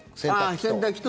洗濯機と。